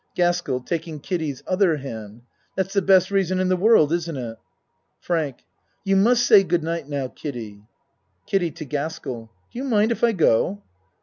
GASKELL (Taking Kiddie's other hand.) That's the best reason in the world, isn't it? FRANK You must say good night, now, Kiddie. KIDDIE (To Gaskell.) Do you mind if I go?